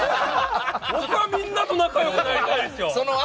僕はみんなと仲良くなりたいですよ！